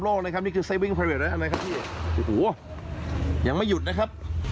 คนถ่ายเกือบโดนอยู่หน้า